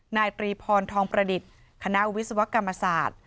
นายตรีพรทองประดิษฐ์คณะวิศวกรรมศาสตร์